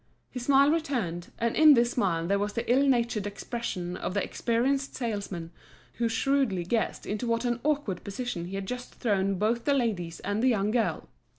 His smile returned, and in this smile there was the ill natured expression of the experienced salesman, who shrewdly guessed into what an awkward position he had just thrown both the ladies and the young girl.